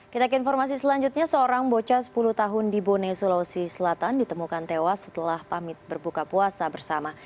kita ke informasi selanjutnya seorang bocah sepuluh tahun di bone sulawesi selatan ditemukan tewas setelah pamit berbuka puasa bersama